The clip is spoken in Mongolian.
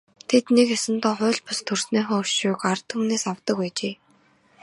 Тэд нэг ёсондоо хууль бус төрснийхөө өшөөг ард түмнээс авдаг байжээ.